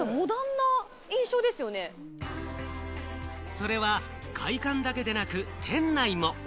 それは外観だけでなく、店内も。